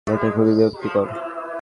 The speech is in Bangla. এটা খুবই বিরক্তিকর!